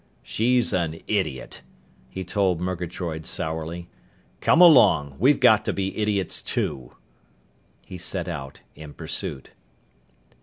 "She's an idiot!" he told Murgatroyd sourly. "Come along! We've got to be idiots too!" He set out in pursuit.